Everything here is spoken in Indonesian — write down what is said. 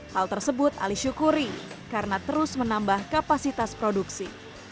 hal tersebut ali syukuri karena terus menambah kapasitas produksi